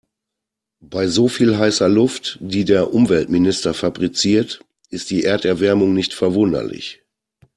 Bei so viel heißer Luft, die der Umweltminister fabriziert, ist die Erderwärmung nicht verwunderlich.